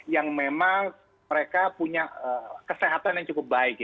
yang memang mereka punya kesehatan yang cukup baik